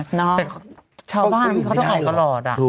แต่ครับชาวบ้านเขาเขาไปกระล่อดอ่ะ